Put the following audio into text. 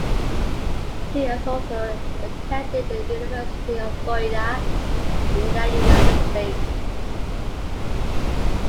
He also attended the University of Florida in the United States.